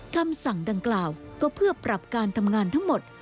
คำสั่งดังกล่าวก็เพื่อปรับการทำงานทั้งหมด